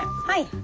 はい。